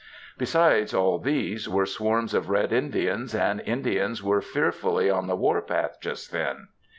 Besides all these were swarms of Red Indians, and Indians were fearfully on the warpath just then.